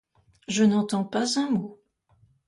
Je n'entends pas un mot.